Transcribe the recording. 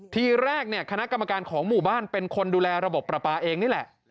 ทีแรกเนี่ยคณะกรรมการของหมู่บ้านเป็นคนดูแลระบบประปาเองนี่แหละ